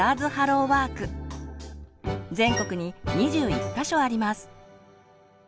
全国に２１か所あります。